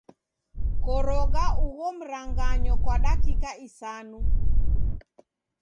Koroga ugho mranganyo kwa dakika isanu.